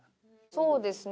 そうですね。